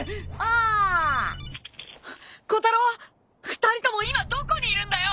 ２人とも今どこにいるんだよ！！